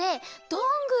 どんぐー！